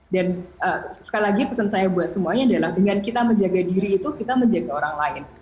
dan sekali lagi pesan saya buat semuanya adalah dengan kita menjaga diri itu kita menjaga orang lain